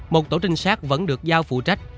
một tổ trinh sát vẫn được giao phụ trách